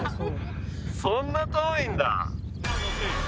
そんな遠いんだ。